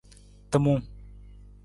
Timung.